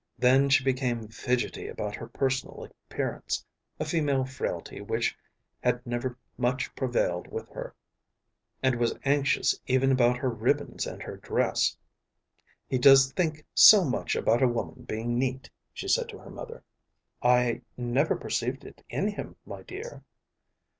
Then she became fidgety about her personal appearance, a female frailty which had never much prevailed with her, and was anxious even about her ribbons and her dress. "He does think so much about a woman being neat," she said to her mother. "I never perceived it in him, my dear."